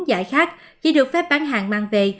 giải khác chỉ được phép bán hàng mang về